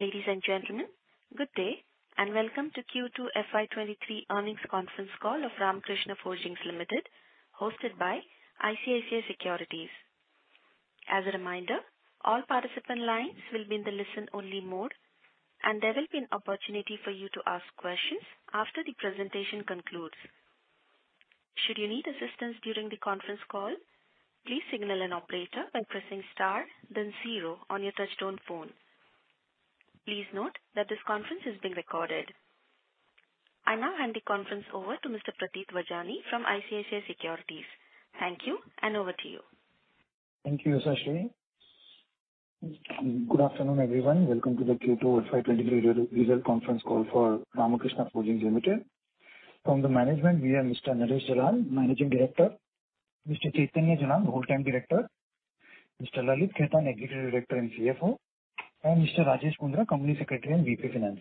Ladies and gentlemen, good day, and welcome to the Q2 FY23 earnings conference call of Ramkrishna Forgings Limited, hosted by ICICI Securities. As a reminder, all participant lines will be in listen-only mode, and there will be an opportunity for you to ask questions after the presentation concludes. Should you need assistance during the conference call, please signal an operator by pressing star then zero on your touchtone phone. Please note that this conference is being recorded. I now hand the conference over to Mr. Pratit Vajani from ICICI Securities. Thank you, and over to you. Thank you, Sashari. Good afternoon, everyone. Welcome to the Q2 FY23 results conference call for Ramkrishna Forgings Limited. From the management, we have Mr. Naresh Jalan, Managing Director; Mr. Chaitanya Jalan, Whole Time Director; Mr. Lalit Khetan, Executive Director and CFO; and Mr. Rajesh Mundhra, Company Secretary and VP Finance.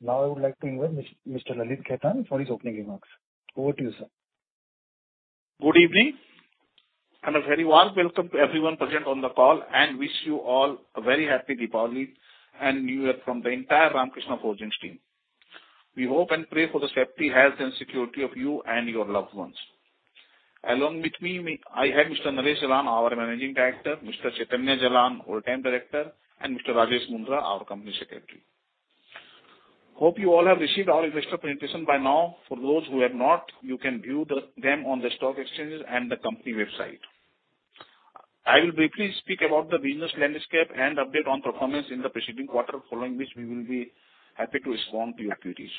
Now I would like to invite Mr. Lalit Khetan for his opening remarks. Over to you, sir. Good evening. A very warm welcome to everyone present on the call, and we wish you all a very happy Diwali and New Year from the entire Ramkrishna Forgings team. We hope and pray for the safety, health, and security of you and your loved ones. Along with me, I have Mr. Naresh Jalan, our Managing Director; Mr. Chaitanya Jalan, Whole Time Director; and Mr. Rajesh Mundhra, our Company Secretary. I hope you all have received our investor presentation by now. For those who have not, you can view it on the stock exchanges and the company website. I will briefly speak about the business landscape and update you on our performance in the preceding quarter, following which we will be happy to respond to your queries.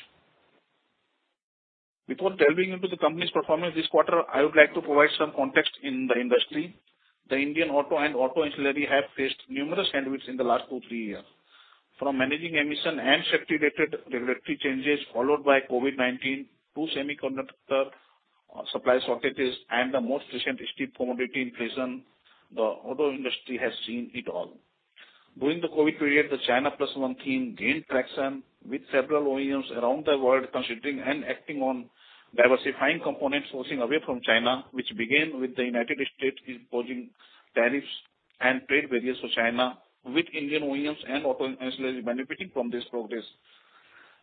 Before delving into the company's performance this quarter, I would like to provide some context on the industry. The Indian auto and auto ancillary industries have faced numerous headwinds in the last 2-3 years. From managing emission and safety-related regulatory changes, followed by COVID-19, to semiconductor supply shortages and the most recent steel commodity inflation, the auto industry has seen it all. During the COVID period, the China Plus One theme gained traction, with several OEMs around the world considering and acting on diversifying component sourcing away from China. This began with the United States imposing tariffs and trade barriers on China, with Indian OEMs and auto ancillary companies benefiting from this progress.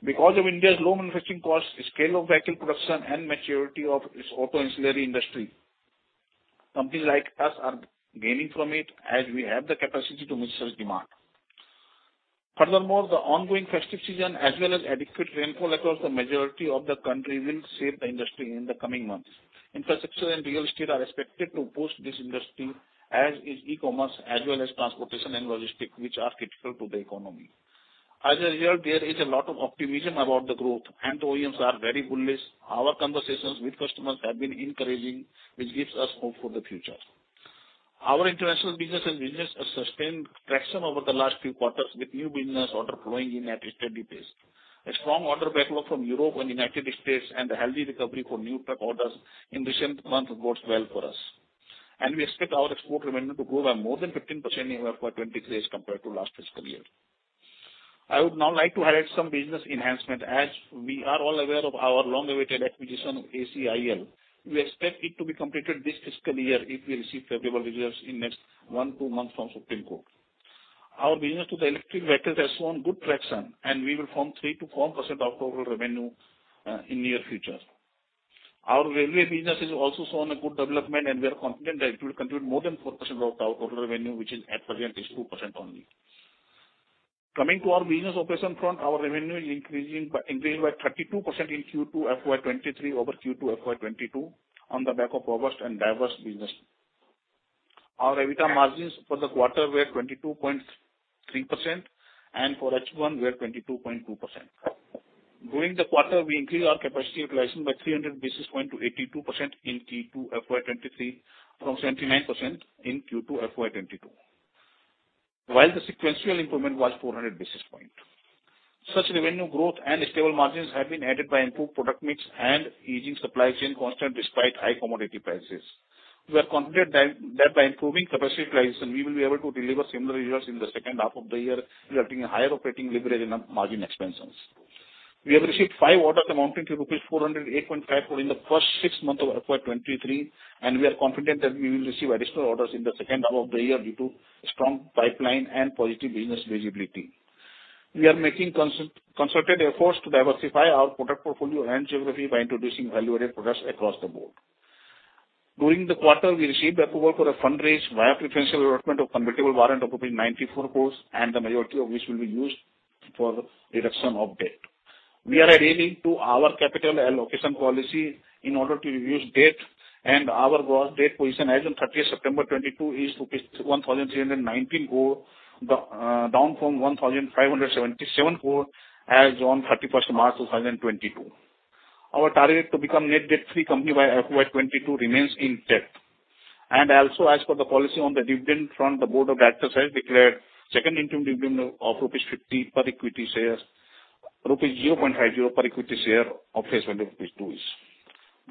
Because of India's low manufacturing costs, scale of vehicle production, and the maturity of its auto ancillary industry, companies like ours are gaining from it as we have the capacity to meet such demand. Furthermore, the ongoing festive season, as well as adequate rainfall across the majority of the country, will save the industry in the coming months. Infrastructure and real estate are expected to boost this industry, as are e-commerce, transportation, and logistics, which are critical to the economy. As a result, there is a lot of optimism about the growth, and OEMs are very bullish. Our conversations with customers have been encouraging, which gives us hope for the future. Our international business has sustained traction over the last few quarters, with new business orders flowing in at a steady pace. A strong order backlog from Europe and the United States and a healthy recovery for new truck orders in recent months bode well for us, and we expect our export revenue to grow by more than 15% in FY 2023 compared to last fiscal year. I would now like to highlight some business enhancements. As we are all aware of our long-awaited acquisition of ACIL, we expect it to be completed this fiscal year if we receive favorable results in the next 1-2 months from the Supreme Court. Our business in electric vehicles has shown good traction, and we expect it to form 3%-4% of total revenue in the near future. Our railway business has also shown good development, and we are confident that it will contribute more than 4% of total revenue, which at present is only 2%. Coming to our business operations front, our revenue increased by 32% in Q2 FY 2023 over Q2 FY 2022 on the back of robust and diverse business. Our EBITDA margins for the quarter were 22.3%, and for H1 were 22.2%. During the quarter, we increased our capacity utilization by 300 basis points to 82% in Q2 FY 2023 from 79% in Q2 FY 2022, while the sequential improvement was 400 basis points. Such revenue growth and stable margins have been aided by an improved product mix and easing supply chain constraints despite high commodity prices. We are confident that by improving capacity utilization, we will be able to deliver similar results in the second half of the year, resulting in higher operating leverage and margin expansions. We have received five orders amounting to 408.5 crore rupees in the first six months of FY 2023, and we are confident that we will receive additional orders in the second half of the year due to a strong pipeline and positive business visibility. We are making concerted efforts to diversify our product portfolio and geography by introducing value-added products across the board. During the quarter, we received approval for a fundraise via preferential allotment of convertible warrants of 94 crore, the majority of which will be used for reduction of debt. We are adhering to our capital allocation policy in order to reduce debt, and our gross debt position as of September 30, 2022, is rupees 1,319 crore, down from 1,577 crore as of March 31, 2022. Our target to become a net debt-free company by FY 2022 remains intact. Also, as per the policy on the dividend front, the board of directors has declared a second interim dividend of rupees 50 per equity share, rupees 0.50 per equity share of face value of rupees 2.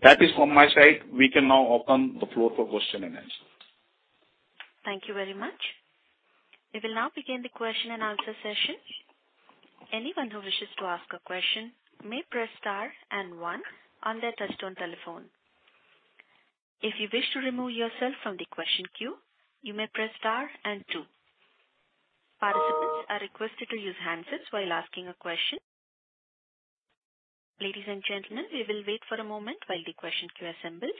That is all from my side. We can now open the floor for questions and answers. Thank you very much. We will now begin the question and answer session. Anyone who wishes to ask a question may press star and one on their touch-tone telephone. If you wish to remove yourself from the question queue, you may press star and two. Participants are requested to use handsets while asking a question. Ladies and gentlemen, we will wait for a moment while the question queue assembles.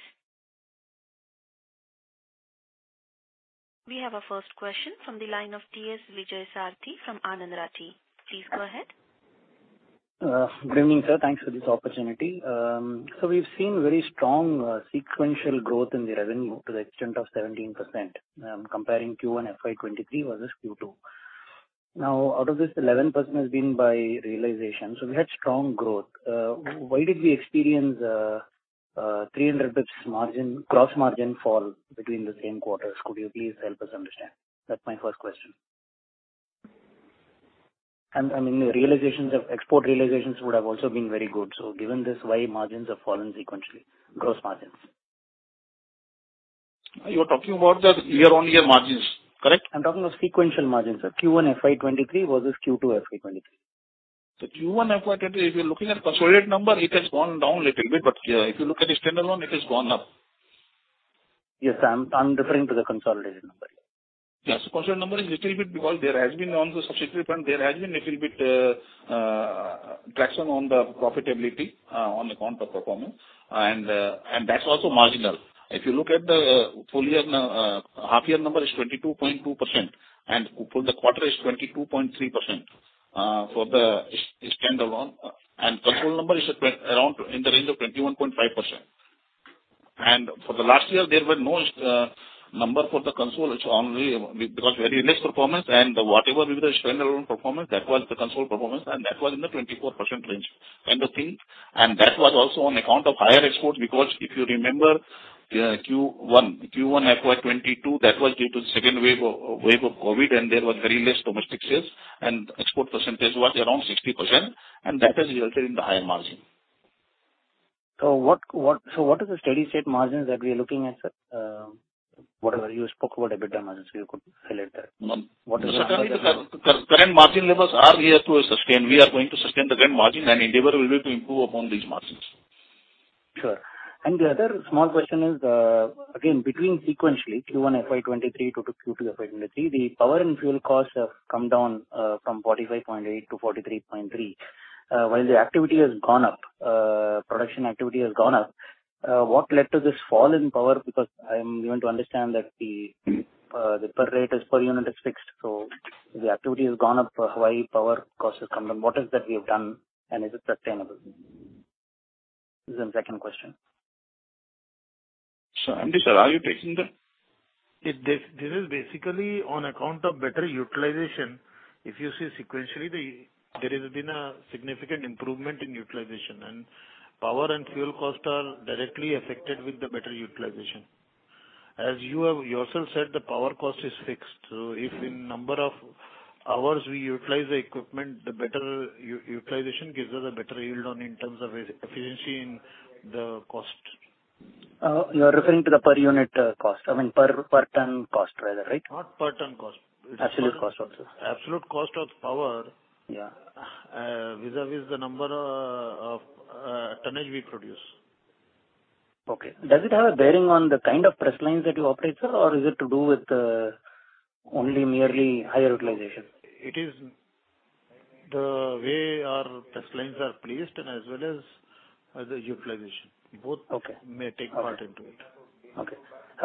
We have our first question from the line of T.S. Vijayasarathy from Anand Rathi. Please go ahead. Good evening, sir. Thanks for this opportunity. So we've seen very strong sequential growth in revenue to the extent of 17%, comparing Q1 FY 2023 versus Q2. Now, out of this, 11% has been due to realization, so we had strong growth. Why did we experience a 300 basis point gross margin fall between the same quarters? Could you please help us understand? That's my first question. I mean, the realizations of export realizations would have also been very good. So given this, why have gross margins fallen sequentially? You're talking about the year-on-year margins, correct? I'm talking of sequential margins, sir. Q1 FY 2023 versus Q2 FY 2023. If you're looking at the consolidated number, it has gone down a little bit. If you look at the standalone, it has gone up. Yes, I'm referring to the consolidated number. Yes, the consolidated number is a little bit lower because there has also been a substitution. There has been a little bit of traction on profitability on account of performance, but that's also marginal. If you look at the full-year half-year number, it's 22.2%, and for the quarter, it's 22.3% for the standalone. The consolidated number is in the range of 21.5%. For last year, there was no consolidated number. It's only because of very little performance, and whatever our standalone performance was, that was the consolidated performance, and that was in the 24% range. That was also on account of higher exports because if you remember, Q1 FY22, that was due to the second wave of COVID, and there were very few domestic sales. The export percentage was around 60%, and that resulted in the higher margin. What are the steady-state margins that we are looking at? Whatever you spoke about EBITDA margins, you could highlight that. What is the— Current margin levels are sustainable. We are going to sustain the current margin, and our endeavor will be to improve upon these margins. Sure. The other small question is, again, between sequentially Q1 FY23 to Q2 FY23, the power and fuel costs have come down from 45.8 to 43.3 while the production activity has gone up. What led to this fall in power costs? Because I want to understand that the per unit rate is fixed, so if the activity has gone up, why have power costs come down? What is it that we have done, and is it sustainable? This is my second question. MD sir, are you taking that? This is basically on account of better utilization. If you look at it sequentially, there has been a significant improvement in utilization, and power and fuel costs are directly affected by better utilization. As you yourself have said, the power cost is fixed. If we utilize the equipment for more hours, better utilization gives us a better yield in terms of efficiency in cost. You're referring to the per-unit cost—I mean, per-ton cost, rather, right? Not per ton cost. Absolute cost also. Absolute cost of power. Yeah. Vis-à-vis the tonnage we produce. Okay. Does it have a bearing on the kind of press lines that you operate, sir, or is it merely to do with higher utilization? It is the way our press lines are placed, as well as their utilization. Okay. May take part in it. Okay.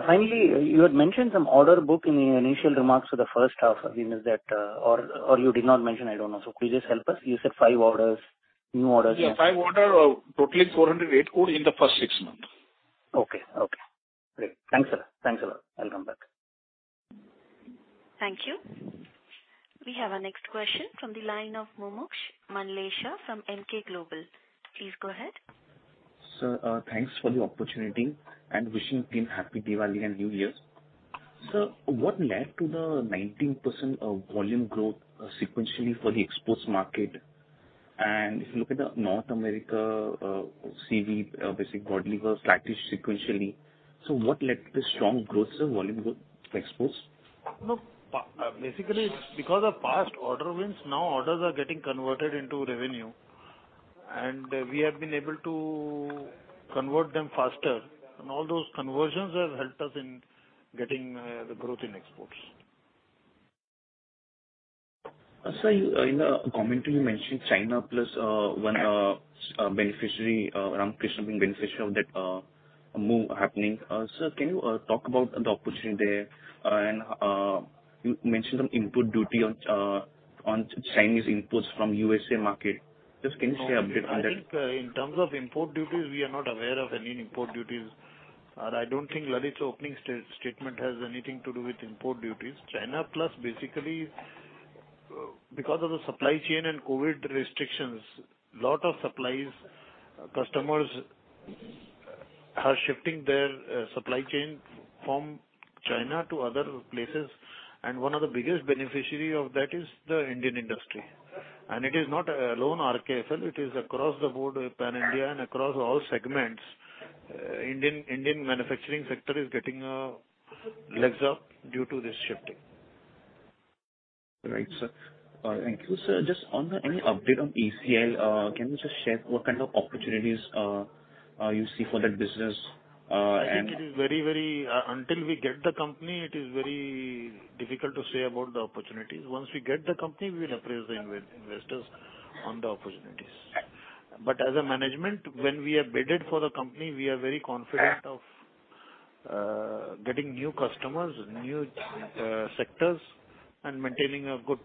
Finally, you had mentioned some order book in your initial remarks for the first half. I mean, is that, or did you not mention it? I don't know. Could you just help us? You said five new orders. Yeah, five orders totaling 408 crore in the first six months. Okay. Great. Thanks, sir. Thanks a lot. I'll come back. Thank you. We have our next question from Mumuksh Mandlesha from Emkay Global. Please go ahead. Sir, thanks for the opportunity and wishing the team a happy Diwali and New Year. Sir, what led to the 19% volume growth sequentially for the exports market? If you look at North America, CV, basically bodywork, it was flat sequentially. What led to the strong volume growth for exports? Look, basically it's because of past order wins; now orders are getting converted into revenue, and we have been able to convert them faster, and all those conversions have helped us in getting growth in exports. Sir, in the commentary, you mentioned China Plus One beneficiary, Ramkrishna, benefiting from that move. Sir, can you talk about the opportunity there? You mentioned some import duty on Chinese imports from the U.S. market. Can you just share an update on that? I think, in terms of import duties, we are not aware of any. I don't think Lalit Khetan's opening statement has anything to do with import duties. China Plus One is basically because of supply chain and COVID restrictions. A lot of suppliers and customers are shifting their supply chains from China to other places, and one of the biggest beneficiaries of that is the Indian industry. It is not only RKFL; it is across the board in Pan India and across all segments. The Indian manufacturing sector is getting a leg up due to this shifting. Right, sir. Thank you, sir. Just on any update on ACIL, can you just share what kind of opportunities you see for that business? I think until we acquire the company, it is very difficult to speak about the opportunities. Once we acquire the company, we will apprise the investors of the opportunities. As management, having bid for the company, we are very confident of acquiring new customers, entering new sectors, and maintaining a good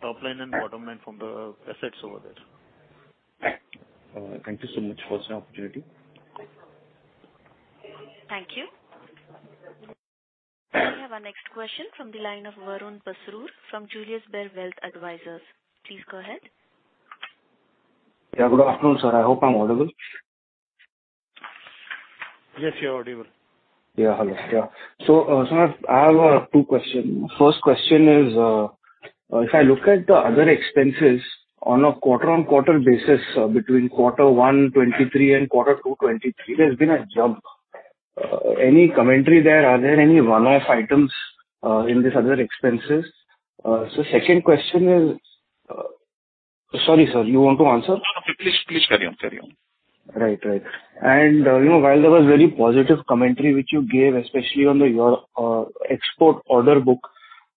top line and bottom line from the assets there. Thank you so much for this opportunity. Thank you. We have our next question from the line of Varun Basrur from Julius Baer Wealth Advisors. Please go ahead. Yeah, good afternoon, sir. I hope I'm audible. Yes, you are audible. Sir, I have two questions. First question is, if I look at the other expenses on a quarter-on-quarter basis between Q1 2023 and Q2 2023, there's been a jump. Any commentary there? Are there any one-off items in these other expenses? My second question is, sorry sir, do you want to answer? No, please carry on. Right. You know, while there was very positive commentary which you gave, especially on the Europe export order book,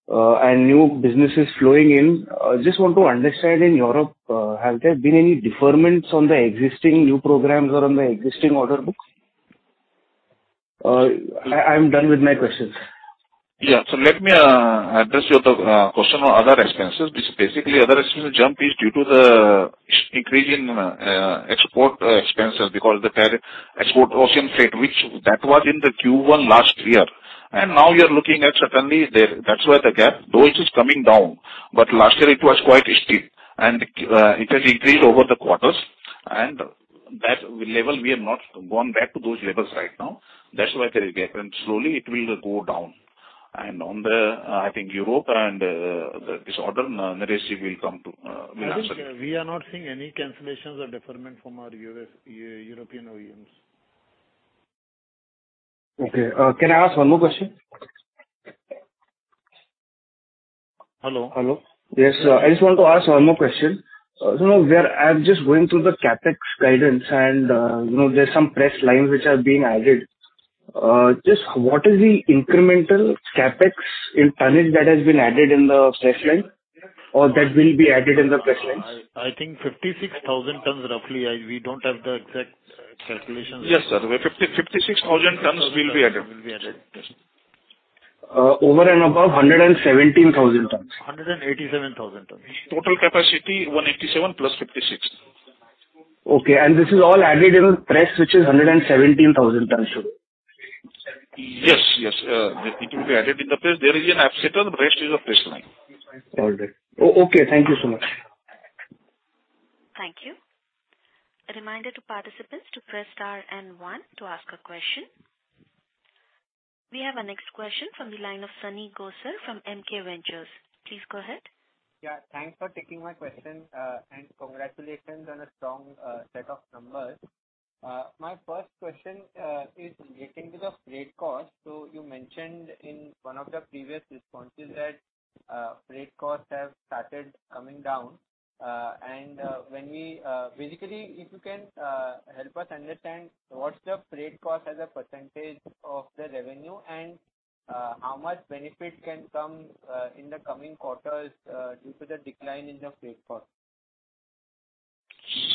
and new businesses flowing in, I just want to understand: in Europe, have there been any deferments on the existing new programs or on the existing order books? I'm done with my questions. Yeah. Let me address your question on other expenses. This jump in other expenses is basically due to the increase in export expenses because of cargo export ocean freight, which was in Q1 last year. Now you're certainly looking at that. That's why there's a gap, though it is coming down. Last year it was quite steep, and it increased over the quarters. We have not gone back to those levels right now. That's why there is a gap, and slowly it will go down. Regarding Europe and this order, Naresh will answer it. I think we are not seeing any cancellations or deferments from our US and European OEMs.. Okay. Can I ask one more question? Hello. Hello. Yes. I just want to ask one more question. I'm just going through the CapEx guidance, and, you know, there are some press lines being added. What is the incremental CapEx in tonnage that has been added in the press line or that will be added in the press lines? I think it's roughly 56,000 tons. We don't have the exact calculation. Yes, sir. 56,000 tons will be added. Will be added. Yes. Over and above 117,000 tons. 187,000 tons. Total capacity 187 + 56. Okay. This is all added in press, which is 117,000 tons. Yes, yes. It will be added in the press. There is an upsetter; the rest is a press line. All right. Okay, thank you so much. Thank you. A reminder to participants to press star and one to ask a question. We have our next question from the line of Sunny Gosar from MK Ventures. Please go ahead. Yeah, thanks for taking my question, and congratulations on a strong set of numbers. My first question relates to the freight cost. You mentioned in one of the previous responses that freight costs have started coming down. Basically, if you can help us understand what the freight cost is as a percentage of the revenue and how much benefit can come in the coming quarters due to the decline in freight cost.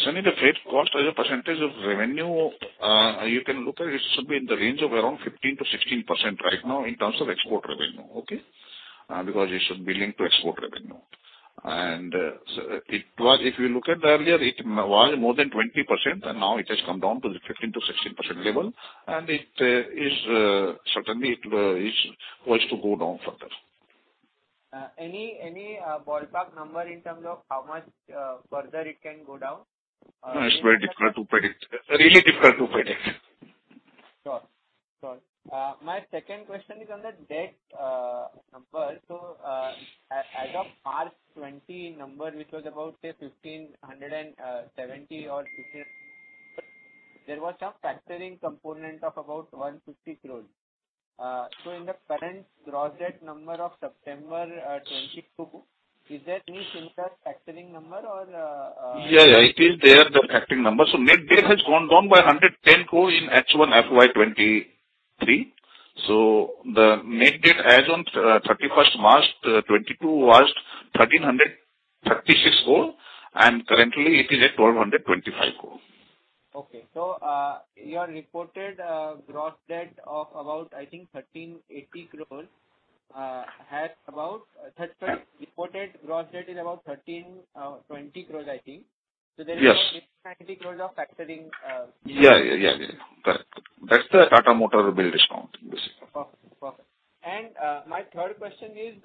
Sunny Gosar, the freight cost as a percentage of revenue, should be in the range of around 15%-16% right now in terms of export revenue. Okay. Because it should be linked to export revenue. If you look at the earlier figures, it was more than 20%, and now it has come down to the 15%-16% level, and it certainly wants to go down further. Any ballpark number in terms of how much further it can go down? It's very difficult to predict. It's really difficult to predict. Sure. My second question is on the debt number. As of March 2020, the number, which was about, say, 1,550 or 1,570, had some factoring component of about 150 crores. In the current gross debt number of September 2022, is there any similar factoring number? Yes, it is there, the factoring number. Net debt has gone down by 110 crore in H1 FY 2023. The net debt as of 31 March 2022 was INR 1,336 crore, and currently it is at INR 1,225 crore. Your reported gross debt of about, I think, INR 1,380 crore. Yeah. Reported gross debt is about INR 20 crore, I think. Yes. There is INR 1,980 crore of factoring. Yes, correct. That's the Tata Motors bill discount, basically. Perfect. My third question is,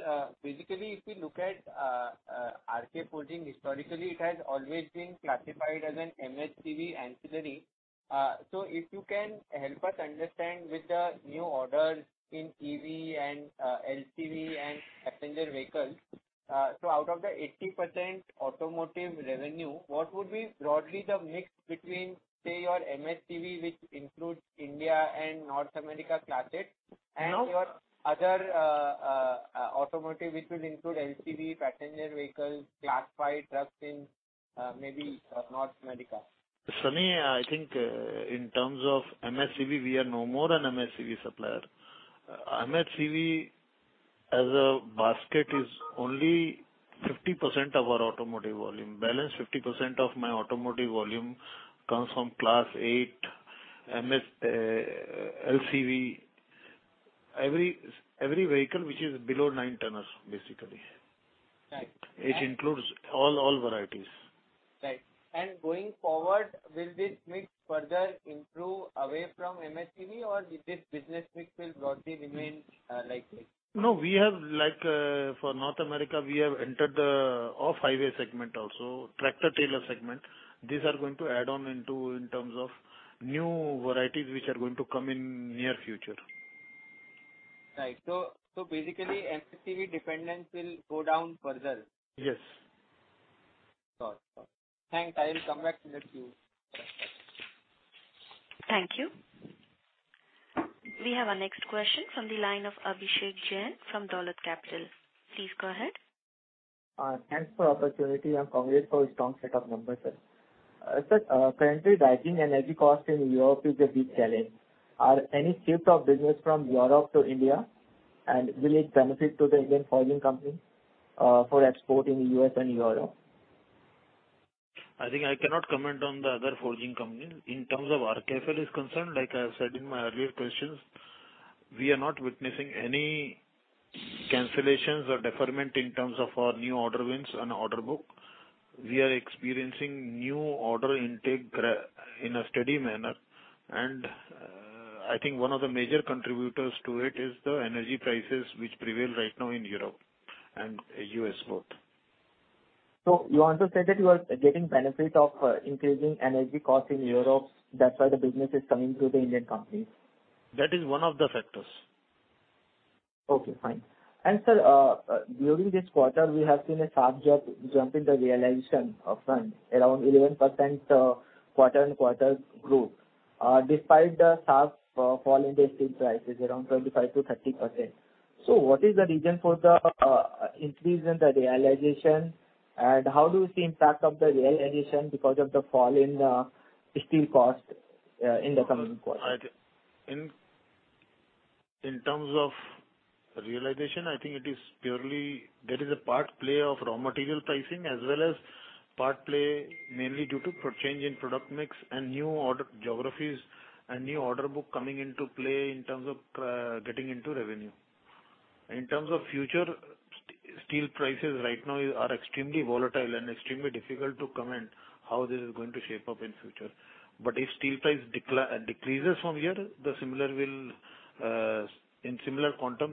basically, if you look at RKFL, historically, it has always been classified as an MHCV ancillary. If you can help us understand with the new orders in EV, LCV, and passenger vehicles, out of the 80% automotive revenue, what would broadly be the mix between, say, your MHCV, which includes India and North America Class 8s, and your other automotive, which will include LCV, passenger vehicles, and Class 5 trucks in, maybe, North America? Sunny, I think, in terms of MHCV, we are no longer an MHCV supplier. MHCV as a basket is only 50% of our automotive volume. The remaining 50% of my automotive volume comes from Class 8, MHCV, and LCV. This includes every vehicle that is basically below 9-tonners. Right. It includes all varieties. Right. Going forward, will this mix further improve away from MHCV, or will this business mix broadly remain like this? No, for North America, we have entered the off-highway segment and the tractor-trailer segment. These will add new varieties in the near future. Basically, MHCV dependence will go down further. Yes. Got it. Thanks. I will come back in the queue. Thank you. We have our next question from Abhishek Jain from Dolat Capital. Please go ahead. Thanks for the opportunity, and congratulations on a strong set of numbers, sir. Sir, currently, rising energy costs in Europe are a big challenge. Is there any shift of business from Europe to India, and will it benefit Indian forging companies for export to the U.S. and Europe? I think I cannot comment on the other forging companies. As far as RKFL is concerned, like I've said in my earlier answers, we are not witnessing any cancellations or deferments in terms of our new order wins and order book. We are experiencing new order intake in a steady manner. I think one of the major contributors to this is the energy prices which prevail right now in both Europe and the U.S. You're saying that you're benefiting from the increasing energy costs in Europe, which is why businesses are coming to Indian companies? That is one of the factors. Okay, fine. Sir, during this quarter, we have seen a sharp jump in the realization of around 11% quarter-on-quarter growth, despite the sharp fall in steel prices of around 25%-30%. What is the reason for the increase in the realization, and how do you see the impact of the realization because of the fall in steel cost in the coming quarter? In terms of realization, I think it is purely a part of raw material pricing as well as a part mainly due to changes in product mix, new order geographies, and a new order book coming into play in terms of generating revenue. Regarding the future, steel prices right now are extremely volatile and extremely difficult to comment on how this will shape up. If steel prices decrease from here, realization may also change by a similar quantum.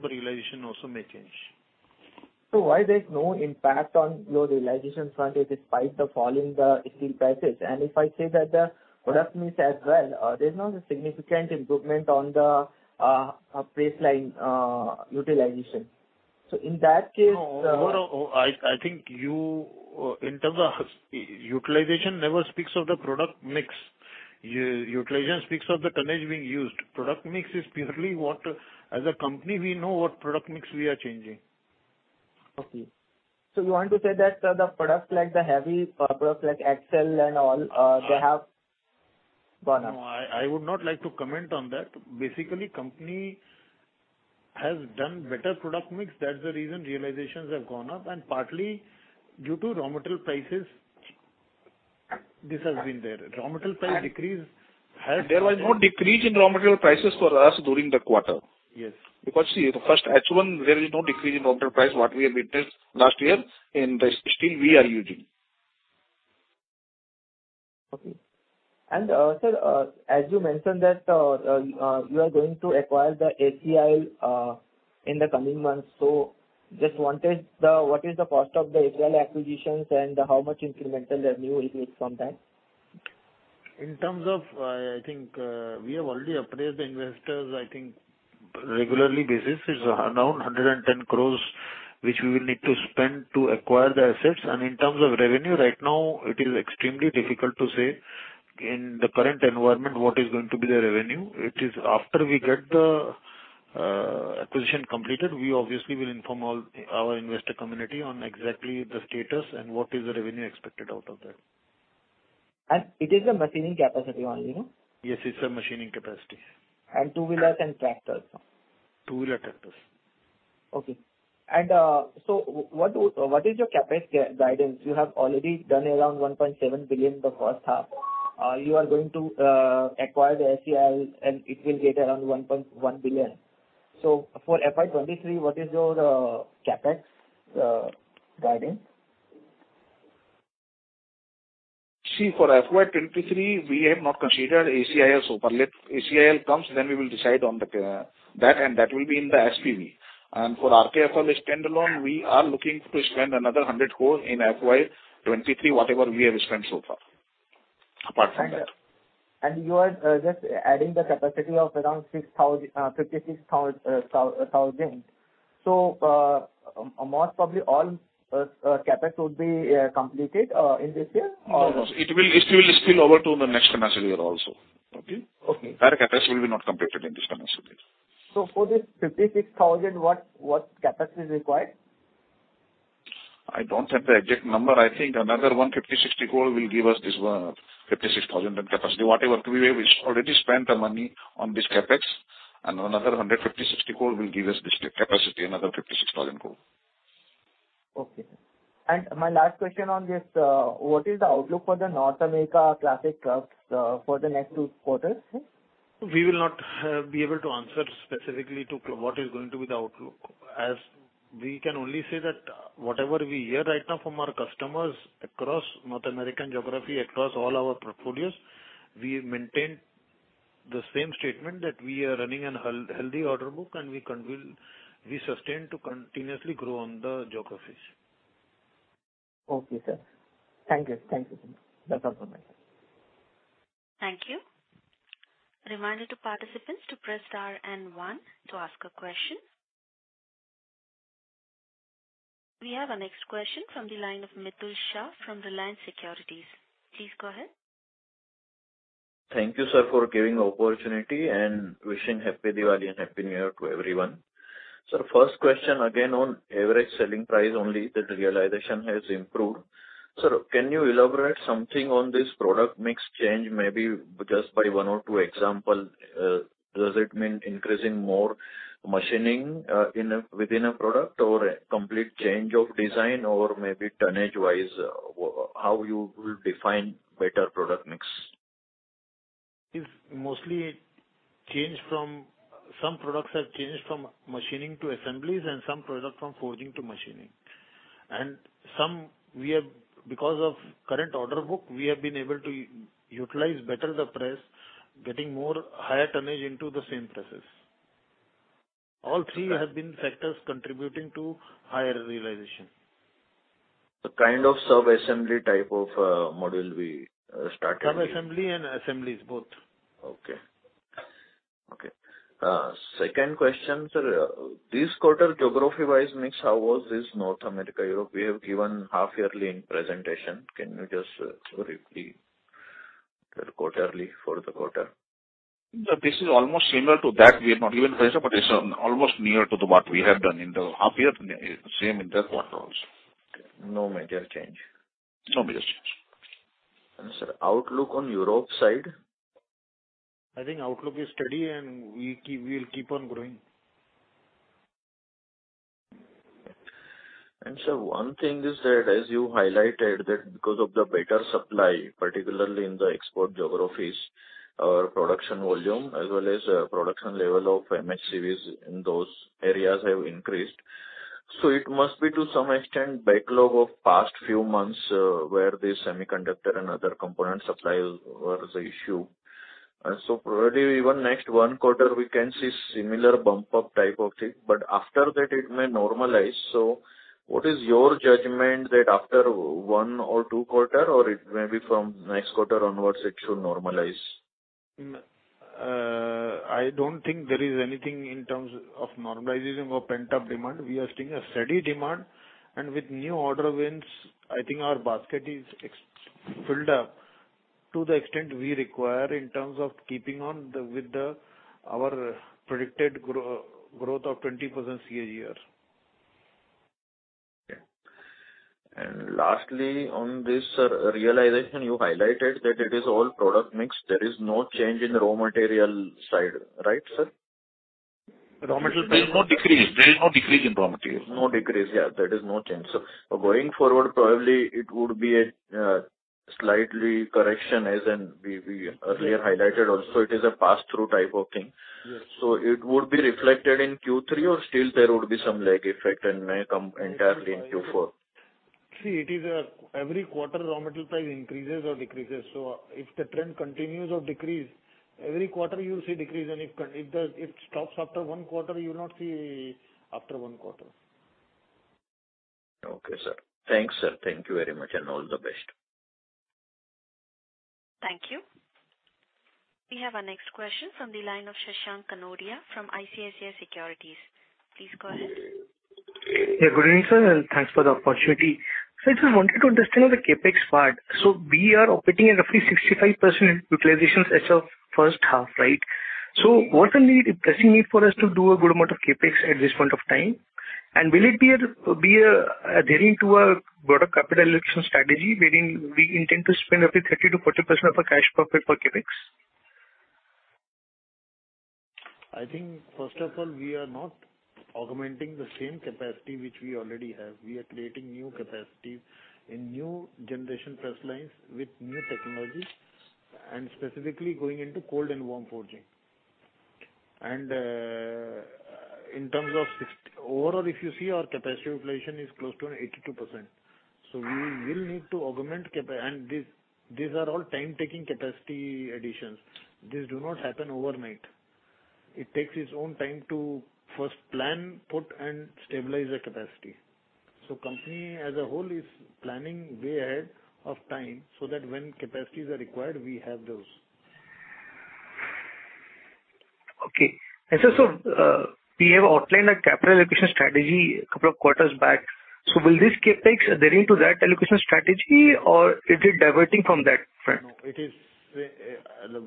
Why is there no impact on your realization front despite the fall in steel prices? If I say that the product mix as well, there's not a significant improvement on the baseline utilization in that case. No, no. I think you, in terms of utilization, never speak of the product mix. Utilization speaks of the tonnage being used. Product mix is purely what, as a company, we know what product mix we are changing. Okay. You mean that heavy products like axles and all have gone up? No, I would not like to comment on that. Basically, the company has achieved a better product mix. That's the reason realizations have gone up. This has been partly due to raw material prices. There was no decrease in raw material prices for us during the quarter. Yes. Because, see, the first H1, there was no decrease in raw material prices that we witnessed last year in the steel we are using. Okay. Sir, as you mentioned that you are going to acquire ACIL in the coming months, I just wanted to know what the cost of the ACIL acquisition is and how much incremental revenue you will get from that. I think we have already appraised the investors on a regular basis. It's around 110 crores, which we will need to spend to acquire the assets. In terms of revenue, right now it is extremely difficult to say in the current environment what the revenue is going to be. After we complete the acquisition, we will obviously inform all our investor community about the exact status and the expected revenue from that. It is a machining capacity only, no? Yes, it's a machining capacity. Two-wheeler and tractors. Two-wheeler, tractors. What is your CapEx guidance? You have already spent around 1.7 billion in the first half. You are going to acquire ACIL, which will cost around 1.1 billion. For FY 2023, what is your CapEx guidance? See, for FY23, we have not considered ACIL so far. Let ACIL come, then we will decide on that, and that will be in the SPV. For RKFL standalone, we are looking to spend another 100 crore in FY23, apart from what we have spent so far. You are just adding the capacity of around 6,056 thousand. Most probably all CapEx will be completed this year, or? No, no. It will spill over to the next financial year also. Okay? Okay. That CapEx will not be completed in this financial year. For this 56,000, what CapEx is required? I don't have the exact number. I think another 150-160 crore will give us this 56,000-ton capacity. We have already spent money on this CapEx, and another 150-160 crore will give us this capacity, another 56,000 tons. Okay. My last question on this: what is the outlook for North America Class 8 trucks for the next two quarters? We will not be able to answer specifically about the outlook. We can only say that, based on what we hear right now from our customers across North American geography and across all our portfolios, we maintain the same statement: we are running a healthy order book and we continue to grow in these geographies. Okay, sir. Thank you. Thank you. That's all from my side. Thank you. Reminder to participants to press star and one to ask a question. We have our next question from the line of Mitul Shah from Reliance Securities. Please go ahead. Thank you, sir, for giving me the opportunity and wishing everyone a Happy Diwali and Happy New Year. The first question is again on the average selling price, specifically that realization has improved. Sir, can you elaborate on this product mix change, perhaps with one or two examples? Does it mean increasing more machining within a product, a complete change of design, or maybe tonnage-wise, how would you define a better product mix? Some products have changed from machining to assemblies, and some products from forging to machining. Because of the current order book, we have been able to better utilize the press, getting higher tonnage into the same presses. All three have been factors contributing to higher realization. The kind of sub-assembly type of model we started. Sub-assembly and assemblies, both. Okay, second question, sir. This quarter, geography-wise mix, how was North America, Europe? We have given half-yearly in the presentation. Can you just briefly provide the quarterly figures for the quarter? This is almost similar to that. We have not given a presentation, but it's almost near to what we have done in the half-year, same in that quarter also. No major change. No major change. Sir, outlook on Europe side? I think the outlook is steady, and we'll keep on growing. Sir, one thing is that, as you highlighted, because of the better supply, particularly in the export geographies, our production volume as well as the production level of MHCVs in those areas has increased. It must be, to some extent, a backlog from the past few months, where semiconductor and other component supply was an issue. Probably, even next quarter, we can see a similar bump-up type of thing, but after that, it may normalize. What is your judgment: will it normalize after one or two quarters, or might it be from next quarter onwards? I don't think there is anything in terms of normalization or pent-up demand. We are seeing steady demand, and with new order wins, I think our basket is filled up to the extent we require in terms of keeping with our predicted growth of 20% CAGR. Okay. Lastly, on this, sir, the realization you highlighted is all product mix. There is no change on the raw material side. Right, sir? Raw material, there is no decrease. There is no decrease in raw material. No decrease. Yeah, there is no change. Going forward, there will probably be a slight correction, as we highlighted earlier, it is a pass-through type of thing. Yes. It would be reflected in Q3, or there would still be some lag effect and it may come entirely in Q4. See, raw material prices either increase or decrease every quarter. If the trend of decreasing prices continues, you'll see a decrease every quarter. If it stops after one quarter, you won't see a decrease after that quarter. Okay, sir. Thanks, sir. Thank you very much, and all the best. Thank you. We have our next question from the line of Shashank Kanodia from ICICI Securities. Please go ahead. Yeah, good evening, sir, and thanks for the opportunity. Sir, I just wanted to understand the CapEx part. We are operating at roughly 65% utilization as of the first half, right? What's the pressing need for us to do a good amount of CapEx at this point in time? Will it be adhering to a broader capital allocation strategy wherein we intend to spend up to 30%-40% of our cash profit for CapEx? I think, first of all, we are not augmenting the same capacity which we already have. We are creating new capacity in new generation press lines with new technologies and specifically going into cold and warm forging. In terms of overall, if you see our capacity utilization, it is close to 82%. We will need to augment, and these are all time-consuming capacity additions. These do not happen overnight. It takes its own time to first plan, put, and stabilize the capacity. The company as a whole is planning way ahead of time so that when capacities are required, we have those. Sir, we outlined a capital allocation strategy a couple of quarters back. Will this CapEx adhere to that allocation strategy, or is it diverting from that front? No, it is.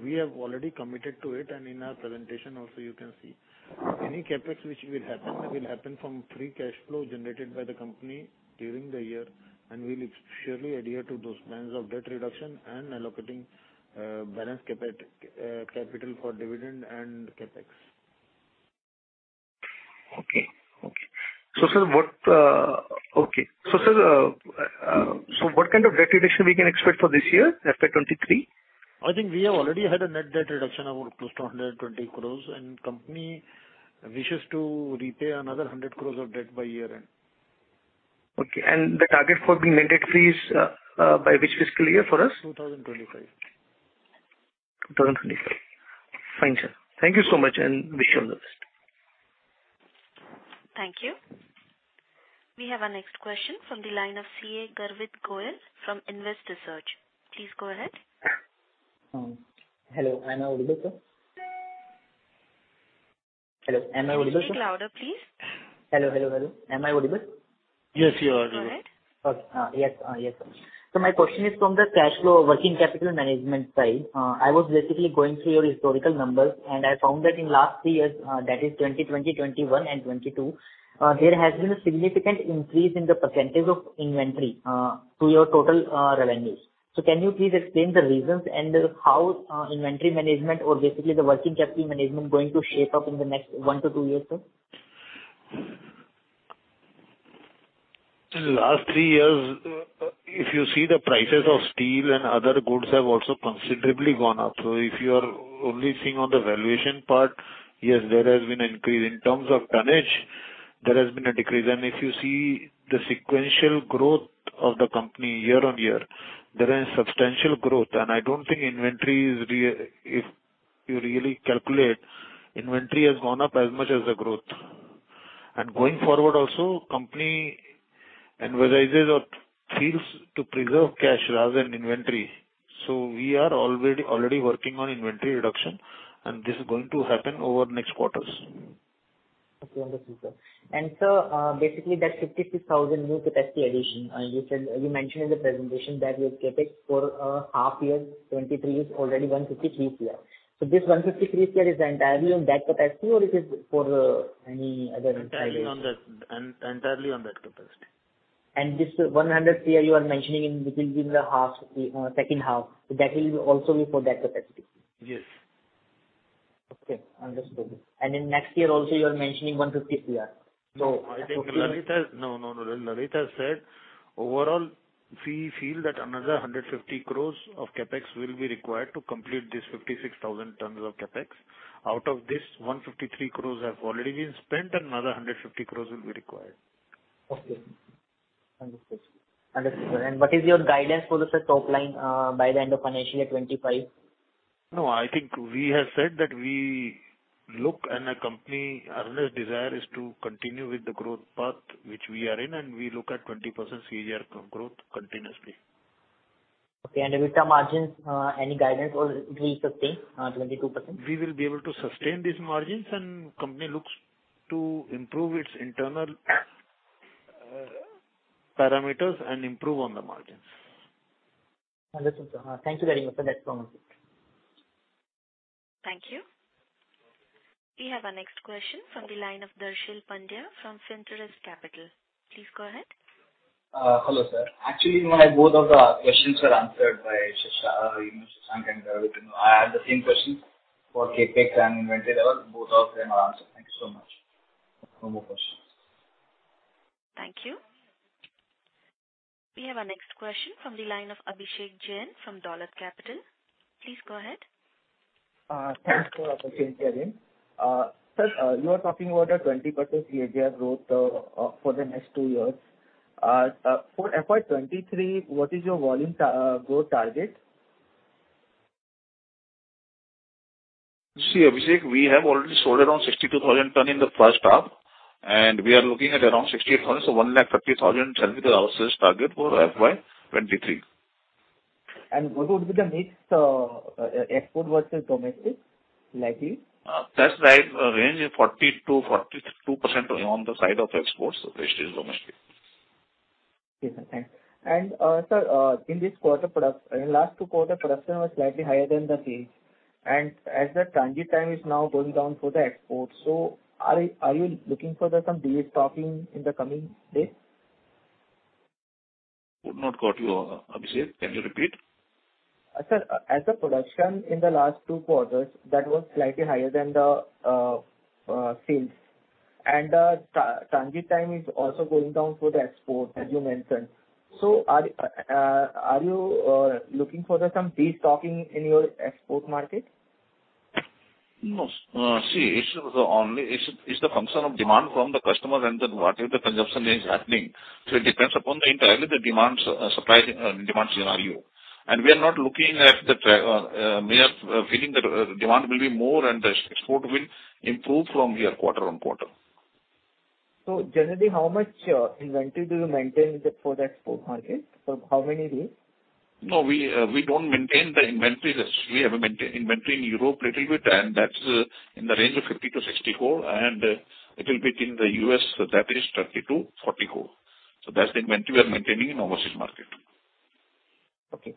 We have already committed to it. In our presentation, you can also see that any CapEx which will happen will happen from free cash flow generated by the company during the year. We'll strictly adhere to those plans of debt reduction and allocating balance capital for dividend and CapEx. Sir, what kind of debt reduction can we expect for this year, FY 2023? I think we have already had a net debt reduction of close to 120 crore, and the company wishes to repay another 100 crore of debt by year-end. Okay. The target for being net debt-free is by which fiscal year for us? 2025. 2025. Fine, sir. Thank you so much, and wish you all the best. Thank you. We have our next question from the line of Garvit Goel from Invest Research. Please go ahead. Hello, am I audible, sir? Can you speak louder, please? Hello. Am I audible? Yes, you're audible. All right. Okay. Yes. Yes, sir. My question is from the cash flow working capital management side. I was basically going through your historical numbers, and I found that in the last three years, that is 2020, 2021, and 2022, there has been a significant increase in the percentage of inventory to your total revenues. Can you please explain the reasons and how inventory management or basically the working capital management is going to shape up in the next one to two years, sir? In the last three years, if you look at the prices of steel and other goods, they have also considerably gone up. If you're only looking at the valuation part, yes, there has been an increase. In terms of tonnage, there has been a decrease. If you look at the sequential growth of the company year-over-year, there is substantial growth. I don't think inventory is the issue. If you really calculate, inventory has gone up as much as the growth. Going forward also, the company incentivizes our teams to preserve cash rather than inventory. We are already working on inventory reduction. This is going to happen over the next quarters. Okay. Understood, sir. Sir, basically, that 56,000 new capacity addition, and you said, you mentioned in the presentation that your CapEx for half year 2023 is already 153 crore. Is this 153 crore entirely for that capacity or is it for any other expansion? Entirely on that. Entirely in that capacity. This 100 crore you are mentioning in the second half—will that also be for that capacity? Yes. Okay. Understood. For next year also, you are mentioning 150 crore. So— Lalit has said overall, we feel that another 150 crore of CapEx will be required to complete this 56,000 tons of CapEx. Out of this, 153 crore has already been spent. Another 150 crore will be required. Okay. Understood, sir. What is your guidance for the top line by the end of financial year '25? No, I think we have said that we look, and the company's earnest desire is to continue with the growth path which we are on, and we look at 20% CAGR growth continuously. Okay. EBITDA margins, any guidance, or do we sustain 22%? We will be able to sustain these margins, and the company looks to improve its internal parameters and improve its margins. Understood, sir. Thank you very much, sir. That's all from my side. Thank you. We have our next question from Darshil Pandya from Centaurus Capital. Please go ahead. Hello sir. Actually, both of my questions were answered by Shashank and Garvit, you know. I had the same question for CapEx and inventory. Both of them have been answered. Thank you so much. No more questions. Thank you. We have our next question from Abhishek Jain from Dolat Capital. Please go ahead. Thanks for the opportunity again. Sir, you are talking about a 20% CAGR growth for the next two years. For FY 2023, what is your volume growth target? See, Abhishek, we have already sold around 62,000 tons in the first half, and we are looking at around 68,000. 130,000 tons will be our sales target for FY 2023. What would be the mix, export versus domestic, likely? That range is like 40%-42% on the export side. The rest is domestic. Okay, sir. Thanks. Sir, in this quarter and the last two quarters, production was slightly higher than sales. As the transit time is now decreasing for exports, are you looking for some destocking in the coming days? I couldn't understand you, Abhishek. Can you repeat that? Sir, as production in the last two quarters was slightly higher than sales, and transit time is also decreasing for exports, as you mentioned, are you looking for some destocking in your export market? No, see, it's the function of demand from the customer and then whatever the consumption is happening. It depends upon the entire demand-supply scenario. We are feeling that demand will be more and exports will improve from here quarter-on-quarter. Generally, how much inventory do you maintain for those 400? How many days? No, we don't maintain the inventory. We have maintained inventory in Europe a little bit, and that's in the range of 50-64, and it'll be in the US, which is 32-44. That's the inventory we are maintaining in the overseas market. Okay,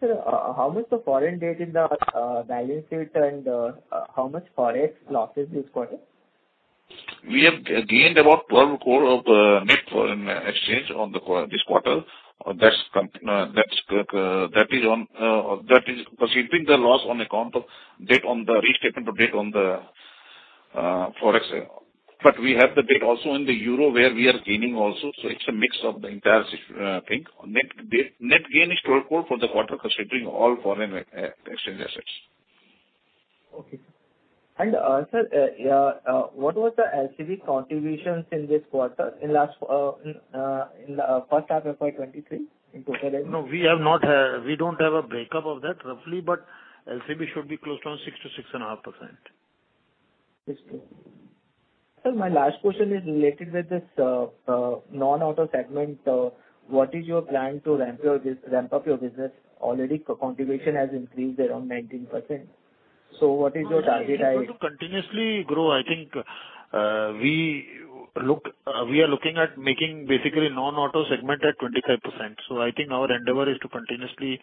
sir. How much is the foreign debt on the balance sheet, and how much are the forex losses this quarter? We have gained about 12 crore in net foreign exchange for this quarter. That's considering the loss on account of debt and the restatement of debt on the Forex. We also have debt in Euros where we are gaining, so it's a mix of the entire situation. The net gain is 12 crore for the quarter, considering all foreign exchange assets. Okay, sir, what were the LCV contributions in this quarter, in the first half of FY 2023, to total revenue? No, we have not. We don't have a breakdown of that, but LCV should be close to 6%-6.5%. 6. Sir, my last question is related to this non-auto segment. What is your plan to ramp up your business? The contribution has already increased to around 19%. What is your target? It will continuously grow. I think we are looking at making basically a non-auto segment at 25%. I think our endeavor is to continuously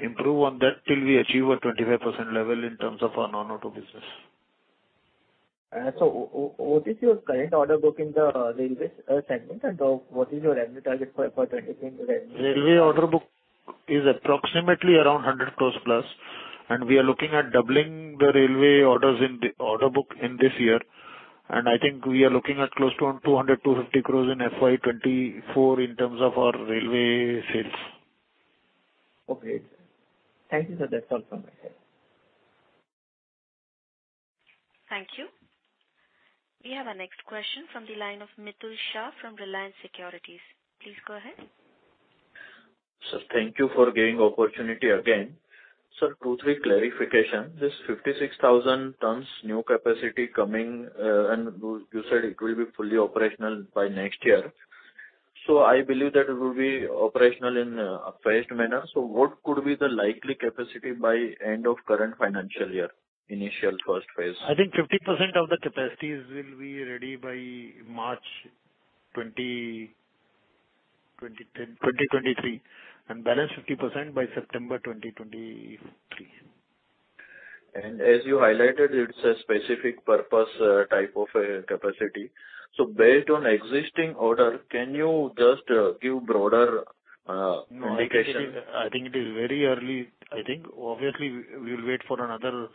improve on that until we achieve a 25% level in terms of our non-auto business. What is your current order book in the railway segment, and what is your revenue target for 2023? The railway order book is approximately 100 crores+, and we are looking at doubling the railway orders in the order book this year. I think we are looking at close to 200 crores-250 crores in FY 2024 in terms of our railway sales. Okay. Thank you, sir. That's all from my side. Thank you. We have our next question from Mitul Shah from Reliance Securities. Please go ahead. Sir, thank you for giving me this opportunity again. Sir, I have two or three clarifications. This 56,000 tons new capacity is coming, and you said it will be fully operational by next year. I believe that it will be operational in a phased manner. What could be the likely capacity by the end of the current financial year, in the initial first phase? I think 50% of the capacity will be ready by March 2023, and the balance 50% by September 2023. As you highlighted, it's a specific-purpose type of capacity. Based on the existing order, can you just give a broader indication? No, I think it is very early. I think obviously we'll wait for another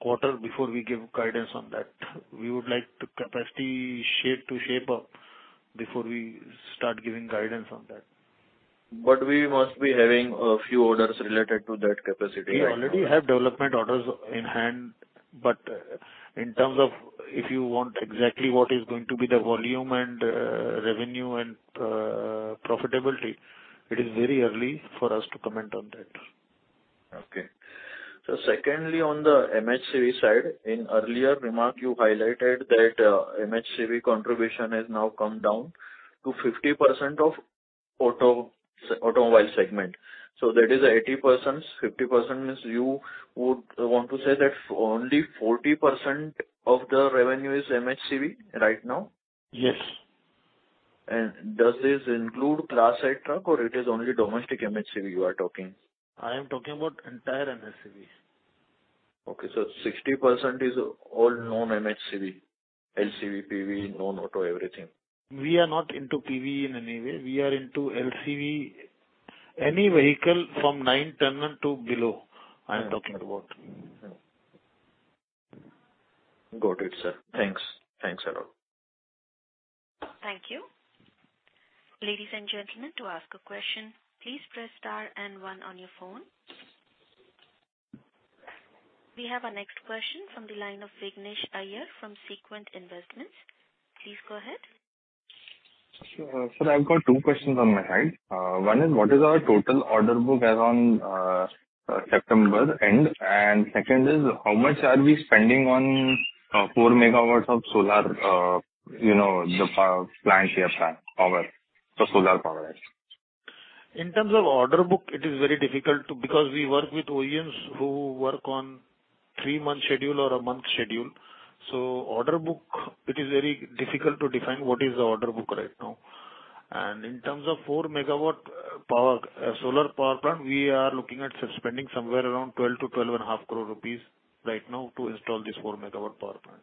quarter before we give guidance on that. We would like the capacity to shape up before we start giving guidance on that. We must have a few orders related to that capacity, right? We already have development orders in hand, but it is very early for us to comment on the exact volume, revenue, and profitability. Okay. Secondly, on the MHCV side, in an earlier remark, you highlighted that MHCV contribution has now come down to 50% of the automobile segment. That is 80%. 50% is, you would want to say, that only 40% of the revenue is MHCV right now? Yes. Does this include Class 8 trucks, or are you only talking about domestic MHCVs? I am talking about entire MHCV. Okay. 60% is all non-MHCV, LCV, PV, non-auto, everything. We are not into PV in any way. We are into LCV. I'm talking about any vehicle from 9 tons and below. Got it, sir. Thanks. Thanks a lot. Thank you. Ladies and gentlemen, to ask a question, please press star and one on your phone. We have our next question from Vignesh Iyer from Sequent Investments. Please go ahead. Sure. Sir, I've got two questions on hand. One is what is our total order book as of September end? Second is how much are we spending on 4 MW of solar, the solar power plant? In terms of the order book, it is very difficult because we work with OEMs who operate on a three-month or one-month schedule. It is very difficult to define what the order book is right now. For a 4-megawatt solar power plant, we are looking at spending somewhere around 12-12.5 crore rupees right now to install this 4-megawatt power plant.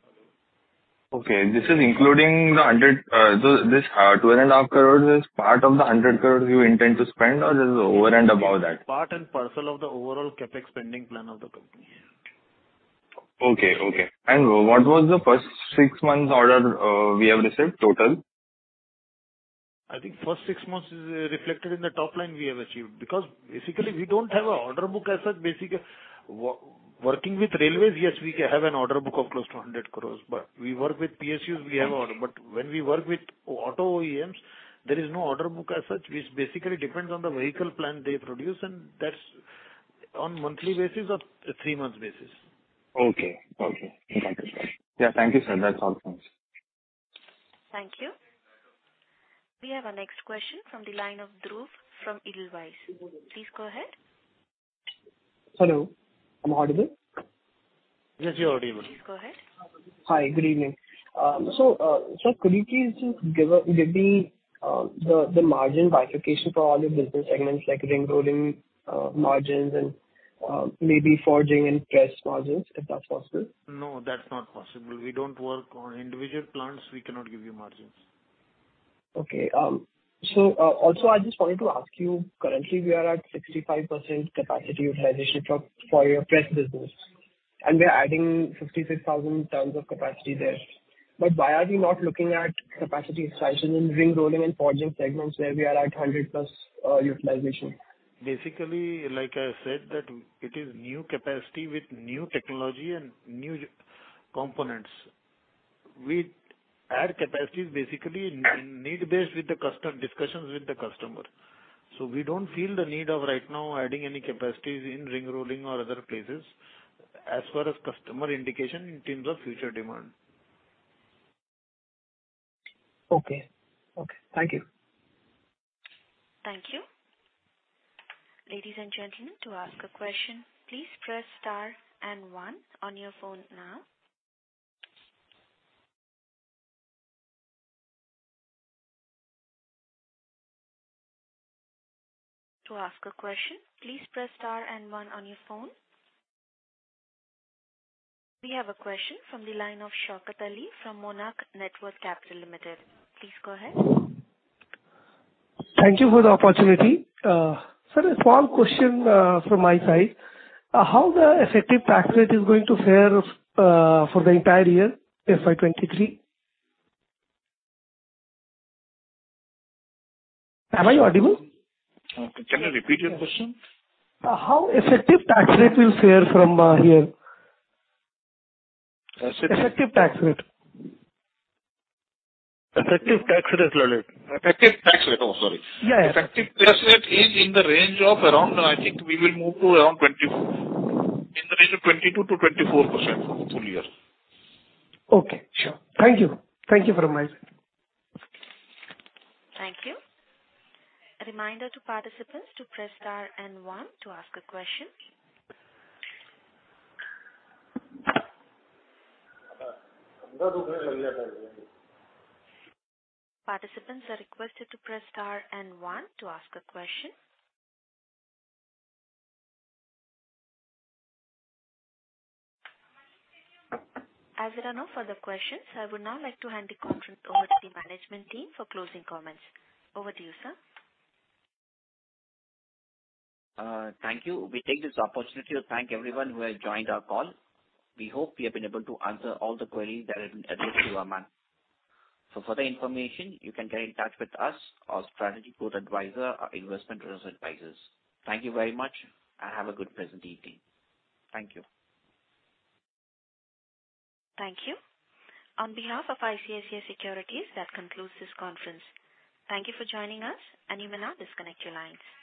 Okay. Is this including the 100, so is this INR 2.5 crore part of the 100 crore you intend to spend or is this over and above that? It's part and parcel of the company's overall CapEx spending plan. Okay. What was the total order we received in the first six months? I think the first six months are reflected in the top line we have achieved because, basically, we don't have an order book as such. Working with railways, yes, we have an order book of close to 100 crore. We work with PSUs; we have orders. When we work with auto OEMs, there is no order book as such, which basically depends on the vehicle plan they produce, and that's on a monthly or three-month basis. Okay. Thank you, sir. Yeah. Thank you, sir. That's all from us. Thank you. We have our next question from Dhruv from Edelweiss. Please go ahead. Hello, am I audible? Yes, you're audible. Please go ahead. Hi, good evening. Sir, could you please just give me the margin bifurcation for all your business segments, like ring rolling margins and maybe forging and press margins, if that's possible? No, that's not possible. We don't work on individual plants. We cannot give you margins. Also, I just wanted to ask you, currently we are at 65% capacity utilization for your press business, and we are adding 55,000 tons of capacity there. Why are we not looking at capacity expansion in ring rolling and forging segments where we are at 100%+ utilization? Basically, as I said, it is new capacity with new technology and new components. We add capacity on a need-basis, based on discussions with the customer. We don't feel the need right now to add any capacity in ring rolling or other areas, as far as customer indications of future demand are concerned. Okay. Thank you. Thank you. Ladies and gentlemen, to ask a question, please press star and one on your phone now. To ask a question, please press star and one on your phone. We have a question from Shaukat Ali from Monarch Networth Capital Limited. Please go ahead. Thank you for the opportunity. Sir, a small question from my side: How will the effective tax rate fare for the entire year, FY 2023? Am I audible? Okay. Can you repeat your question? How effective tax rate will fare from here? Effective- Effective tax rate. Effective tax rate. Oh, I'm sorry. Yeah. Yeah. The effective tax rate is in the range of around 24%. I think we will move to around 22%-24% for the full year. Okay. Sure. Thank you. Thank you very much. Thank you. A reminder to participants to press star and one to ask a question. Participants are requested to press star and one to ask a question. As there are no further questions, I would now like to hand the conference over to the management team for closing comments. Over to you, sir. Thank you. We take this opportunity to thank everyone who has joined our call. We hope we have been able to answer all the queries that have been addressed to Aman. For more information, you can get in touch with us, Strategic Growth Advisors, or Invest Research. Thank you very much and have a pleasant evening. Thank you. Thank you. On behalf of ICICI Securities, that concludes this conference. Thank you for joining us, and you may now disconnect your lines.